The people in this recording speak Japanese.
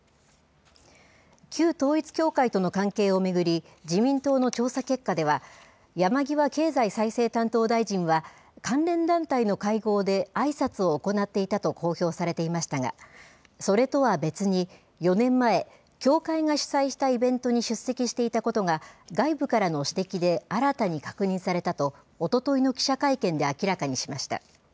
旧統一教会との関係を巡り、自民党の調査結果では、山際経済再生担当大臣は、関連団体の会合であいさつを行っていたと公表されていましたが、それとは別に、４年前、教会が主催したイベントに出席していたことが、外部からの指摘で新たに確認されたと、おとといの記者会見で明らかにしました。